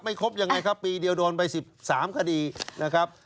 ครบยังไงครับปีเดียวโดนไป๑๓คดีนะครับ